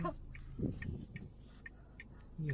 ไม่ค่อยงั้น